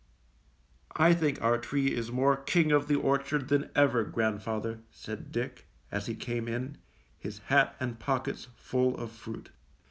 'T think our tree is more ^King of the Orchard' than ever, grandfather," said Dick, as he came in, his hat and pockets full of fruit.